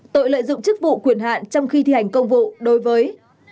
tội lợi dụng chức vụ quyền hạn trong khi thi hành công vụ đối với